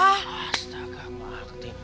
astaga mau aktif